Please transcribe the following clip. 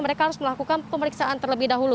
mereka harus melakukan pemeriksaan terlebih dahulu